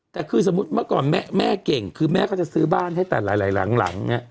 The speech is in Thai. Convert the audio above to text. แต่คือสมมุติเมื่อก่อนแม่เก่งคือแม่ก็จะซื้อบ้านให้แต่หลายหลัง